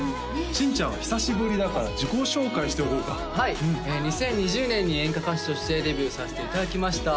新ちゃんは久しぶりだから自己紹介しておこうかはい２０２０年に演歌歌手としてデビューさせていただきました